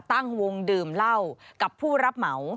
ตั้งวงดื่มเหล้ากับผู้รับเหมา